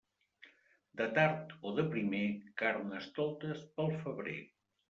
De tard o de primer, Carnestoltes pel febrer.